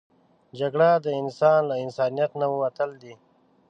جګړه د انسان له انسانیت نه وتل دي